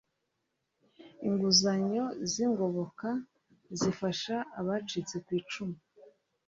inguzanyo z ‘ingoboka zifasha abacitse kwicumu.